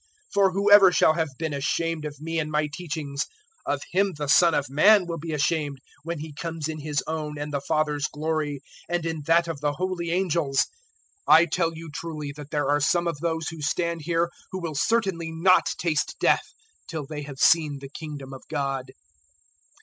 009:026 For whoever shall have been ashamed of me and my teachings, of him the Son of Man will be ashamed when He comes in His own and the Father's glory and in that of the holy angels. 009:027 I tell you truly that there are some of those who stand here who will certainly not taste death till they have seen the Kingdom of God."